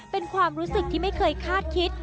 เป็นความรู้สึกที่ไม่เคยคาดคิด